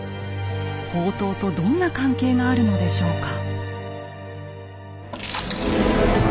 法灯とどんな関係があるのでしょうか？